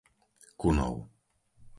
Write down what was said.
Kunov